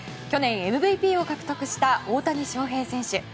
去年、ＭＶＰを獲得した大谷翔平選手。